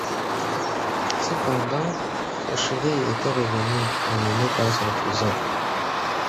Cependant, Fauchery était revenu, amené par son cousin.